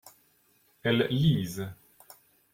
Elles lisent.